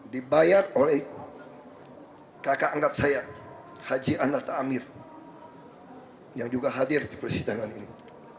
dibayar oleh kakak angkat saya haji anasta amir yang juga hadir di persidangan ini